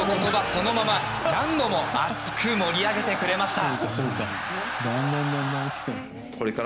そのまま、何度も熱く盛り上げてくれました。